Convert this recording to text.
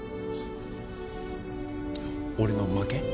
俺の負け。